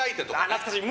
懐かしい。